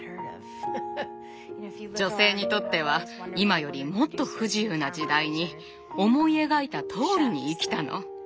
女性にとっては今よりもっと不自由な時代に思い描いたとおりに生きたの。